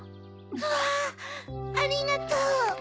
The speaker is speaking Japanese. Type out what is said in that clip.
わぁありがとう！